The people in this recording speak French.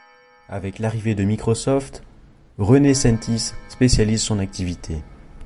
Avec l'arrivée de Microsoft, René Sentis spécialise son activité.